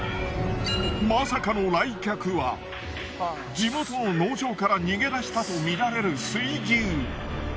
まさかの来客は地元の農場から逃げ出したとみられる水牛。